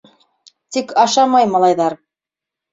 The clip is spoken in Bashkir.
Тик ашамай малайҙар!